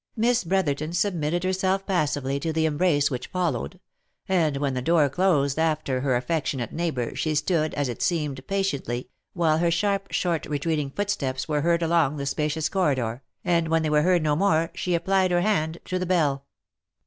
Miss Brotherton submitted herself passively to the embrace ■which followed ; and when the door closed after her affectionate neighbour, she stood, as it seemed, patiently, while her sharp, short, retreating footsteps were heard along the spacious corridor, and •when they were heard no more she applied her hand to the bell.